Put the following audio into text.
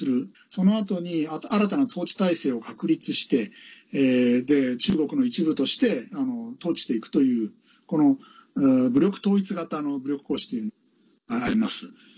そのあとに新たな統治体制を確立して中国の一部として統治していくという武力統一型の武力行使というのがあります。